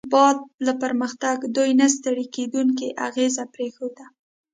بعد له پرمختګ، دوی نه ستړي کیدونکی اغېز پرېښود.